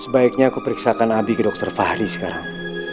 sebaiknya aku periksakan abi ke dokter fahri sekarang